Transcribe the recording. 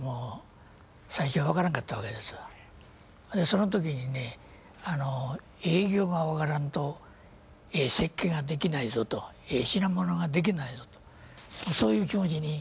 その時にね営業が分からんとええ設計ができないぞとええ品物ができないぞとそういう気持ちになったんですわ。